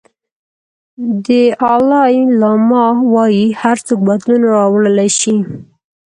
دالای لاما وایي هر څوک بدلون راوړلی شي.